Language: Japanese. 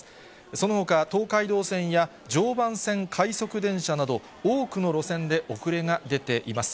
そのほか東海道線や常磐線快速電車など、多くの路線で遅れが出ています。